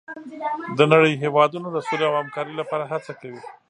د نړۍ هېوادونه د سولې او همکارۍ لپاره هڅه کوي.